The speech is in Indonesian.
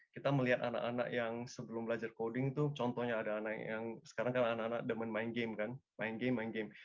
kita melihat anak anak yang sebelum belajar koding contohnya sekarang anak anak demen main game